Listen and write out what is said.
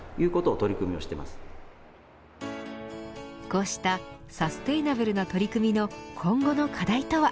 こうしたサステイナブルな取り組みの今後の課題とは。